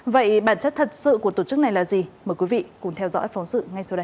vậy bản chất thật sự của tổ chức này là gì mời quý vị cùng theo dõi phóng sự ngay sau đây